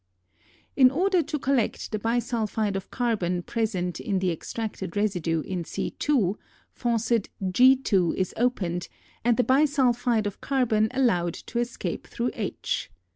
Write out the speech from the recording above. ] In order to collect the bisulphide of carbon present in the extracted residue in C^2, faucet _g_^2 is opened and the bisulphide of carbon allowed to escape through h.